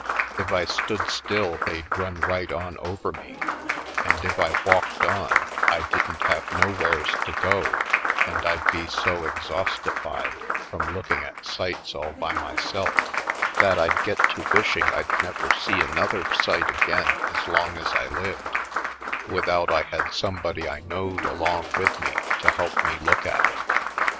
If I stood still they'd run right on over me and if I walked on I didn't have nowheres to go and I'd be so exhausti fied from looking at sights all by myself 142 /. Poindexter^ Colored that I'd get to wishing I'd never see an other sight again as long as I lived, without I had somebody I knowed along with me to help me look at it.